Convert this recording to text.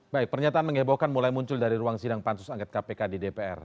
baik pernyataan mengebohkan mulai muncul dari ruang sidang pansus angket kpk di dpr